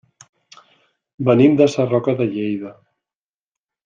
Venim de Sarroca de Lleida.